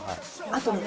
あとね。